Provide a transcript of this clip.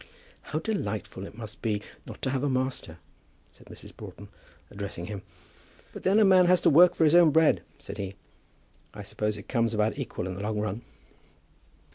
"How delightful it must be not to have a master," said Mrs. Broughton, addressing him. "But then a man has to work for his own bread," said he. "I suppose it comes about equal in the long run."